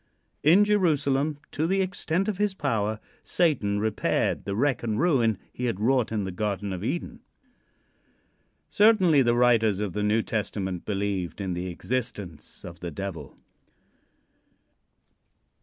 In Jerusalem, to the extent of his power, Satan repaired the wreck and ruin he had wrought in the Garden of Eden. Certainly the writers of the New Testament believed in the existence of the Devil.